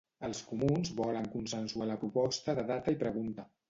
Els comuns volen consensuar la proposta de data i pregunta.